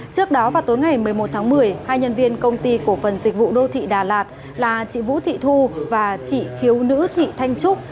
trước đó vào tối ngày một mươi một tháng một mươi hai nhân viên công ty cổ phần dịch vụ đô thị đà lạt là chị vũ thị thu và chị khiếu nữ thị thanh trúc